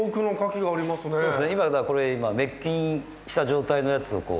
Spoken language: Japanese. そうですねこれ今滅菌した状態のやつをこう。